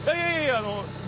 あの。